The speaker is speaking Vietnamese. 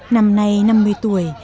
năm nay năm mươi tuổi